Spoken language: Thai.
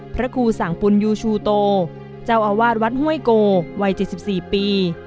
พระครูสั่งปุญยูชูโตเจ้าอาวาสวัดห้วยโกวัย๗๔ปี